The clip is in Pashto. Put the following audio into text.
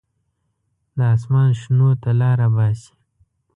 د اسمان شنو ته لاره باسي.